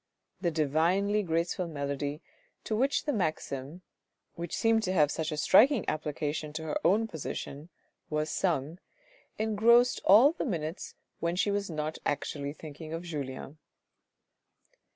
The divinely graceful melody to which the maxim, which seemed to have such a striking application to her own position, was sung, engrossed all the minutes when she was not actually thinking of Julien.